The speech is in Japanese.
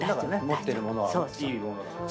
持ってるものはいいものだから。